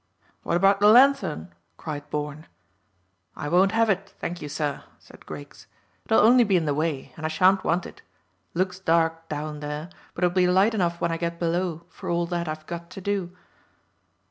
"What about the lanthorn?" cried Bourne. "I won't have it, thank you, sir," said Griggs. "It'll only be in the way, and I shan't want it. Looks dark down there, but it'll be light enough when I get below for all that I've got to do."